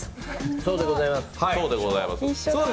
そうでございます。